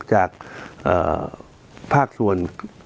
จากภาคส่วน